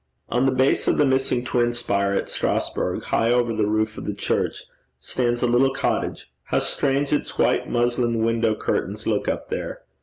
On the base of the missing twin spire at Strasburg, high over the roof of the church, stands a little cottage how strange its white muslin window curtains look up there!